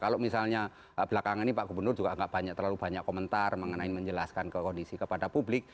kalau misalnya belakangan ini pak gubernur juga nggak banyak terlalu banyak komentar mengenai menjelaskan ke kondisi kepada publik